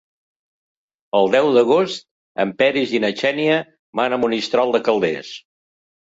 El deu d'agost en Peris i na Xènia van a Monistrol de Calders.